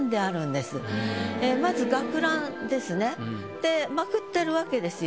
で捲ってるわけですよ。